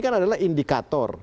kan adalah indikator